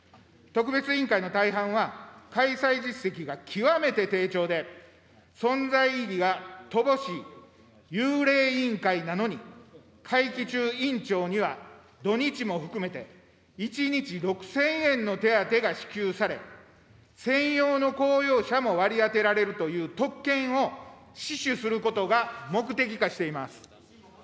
特別委員会の大半は、開催実績が極めて低調で、存在意義が乏しい、幽霊委員会なのに、会期中、委員長には土日も含めて、１日６０００円の手当が支給され、専用の公用車も割り当てられるという特権を死守することが目的化しています。